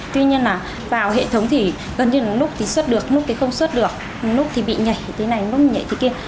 tuy nhiên là vào hệ thống thì gần như nút thì xuất được nút thì không xuất được nút thì bị nhảy thế này nút thì bị nhảy thế kia